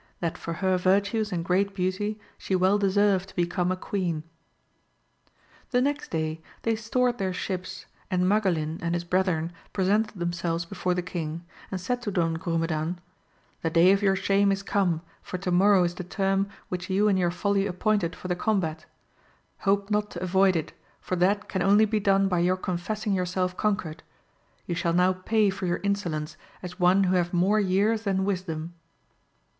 That for her virtues and great beauty, she well deserved to become a queen. The next day they stored their ships, and Magalin and his brethren presented themselves before the king, and said to Don Grumedan, The day of your shame is come, for to morrow is the term which you in your folly appointed for the combat ; hope not to avoid it, for that can only be done by your confessing yourself con quered ; you shall now pay for your insolence, as one who have more years than wisdom.